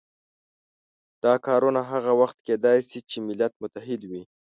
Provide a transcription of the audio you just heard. دا کارونه هغه وخت کېدای شي چې ملت متحد وي.